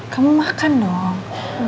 kamu makan dong